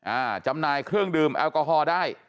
จำหน่ายเครื่องดื่มแอลกอฮอล์ได้